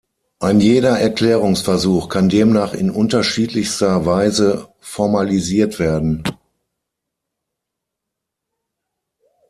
Ein jeder Erklärungsversuch kann demnach in unterschiedlichster Weise formalisiert werden.